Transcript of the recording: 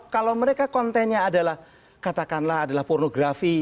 kalau mereka kontennya adalah katakanlah adalah pornografi